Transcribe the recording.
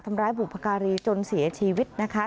ทำร้ายบุพการีจนเสียชีวิตนะคะ